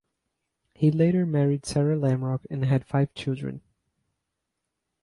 He later married Sarah Lamrock and had five children.